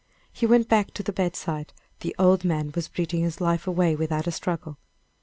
He went back to the bedside; the old man was breathing his life away without a struggle.